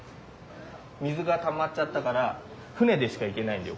水がたまっちゃったから船でしか行けないんだよ